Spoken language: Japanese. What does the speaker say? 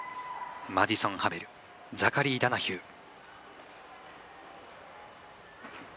マディソン・ハベルザカリー・ダナヒュー。